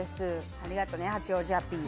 ありがとね八王子アピール。